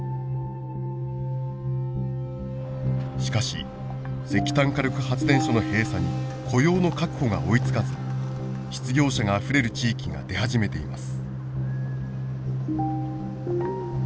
しかし石炭火力発電所の閉鎖に雇用の確保が追いつかず失業者があふれる地域が出始めています。